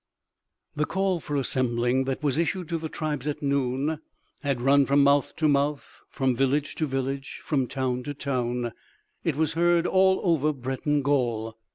The call for assembling that was issued to the tribes at noon, had run from mouth to mouth, from village to village, from town to town. It was heard all over Breton Gaul.